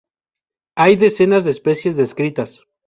Hay decenas de especies descritas.